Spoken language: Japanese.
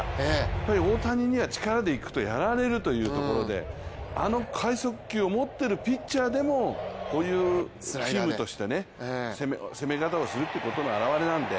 やっぱり大谷には力でいくとやられるというところであの快速球を持っているピッチャーでもこういうチームとして攻め方をするということの表れなので